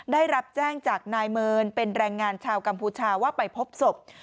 ได้รับแจ้งจากนายเมินเป็นแรงงานชาวกัมพูชาว่าไปพบศพ